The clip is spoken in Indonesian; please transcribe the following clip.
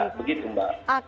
ya begitu mbak